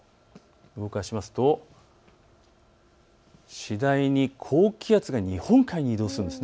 動かしますと次第に高気圧が日本海に移動するんです。